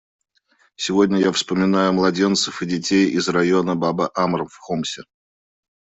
Сегодня я вспоминаю младенцев и детей из района Баба-Амр в Хомсе.